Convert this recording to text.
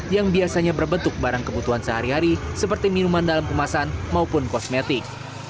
yang biasanya berbentuk barang kebutuhan sehari hari seperti minuman dalam kemasan maupun kosmetik